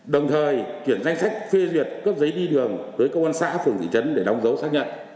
đồng thời chuyển danh sách phê duyệt cấp giấy đi đường tới công an xã phường thị trấn để đóng dấu xác nhận